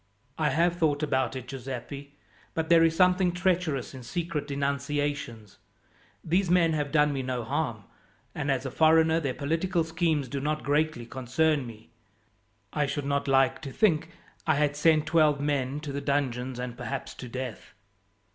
"I have thought about it, Giuseppi, but there is something treacherous in secret denunciations. These men have done me no harm, and as a foreigner their political schemes do not greatly concern me. I should not like to think I had sent twelve men to the dungeons and perhaps to death."